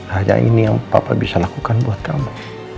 hanya ini yang papa bisa lakukan buat kamu